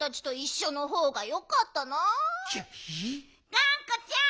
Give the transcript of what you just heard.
がんこちゃん。